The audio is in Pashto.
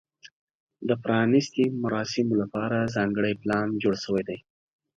د پرانیستې مراسمو لپاره ځانګړی پلان جوړ شوی دی.